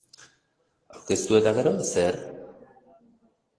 Aurkeztu eta gero, zer?